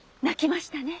鳴きました。